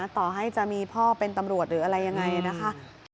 ต่อให้จะมีพ่อเป็นตำรวจหรืออะไรยังไงนะคะ